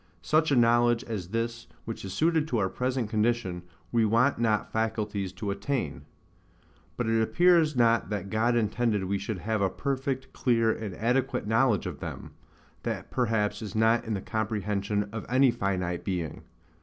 Such a knowledge as this which is suited to our present condition, we want not faculties to attain. But it appears not that God intended we should have a perfect, clear, and adequate knowledge of them: that perhaps is not in the comprehension of any finite being.